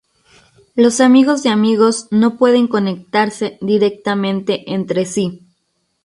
Los amigos de amigos no pueden conectarse directamente entre sí.